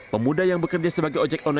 pemuda yang bekerja sebagai ojek online